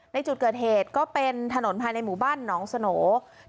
ในจุดเกิดเหตุก็เป็นถนนภายในหมู่บ้านหนองสโหน่